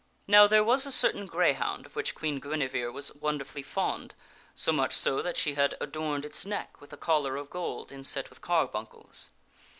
Now there was a certain greyhound of which Queen Guinevere was wonderfully fond ; so much so that she had adorned its neck with a collar ~.~. of gold inset with carbuncles.